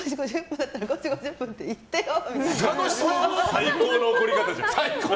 最高の怒り方じゃん。